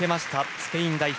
スペイン代表